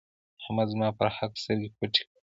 احمد زما پر حق سترګې پټې کړې.